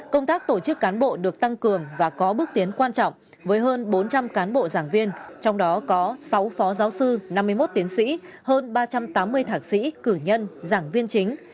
công tác tổ chức cán bộ được tăng cường và có bước tiến quan trọng với hơn bốn trăm linh cán bộ giảng viên trong đó có sáu phó giáo sư năm mươi một tiến sĩ hơn ba trăm tám mươi thạc sĩ cử nhân giảng viên chính